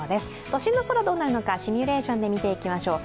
都心の空、どうなるのか、シミュレーションで見ていきましょう。